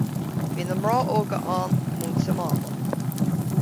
Bhí na mná óga ann múinte mánla